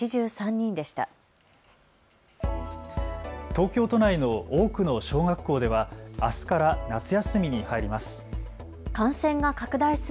東京都内の多くの小学校ではあすから夏休みに入ります。